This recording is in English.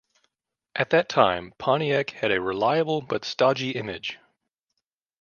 At that time Pontiac had a reliable but stodgy image.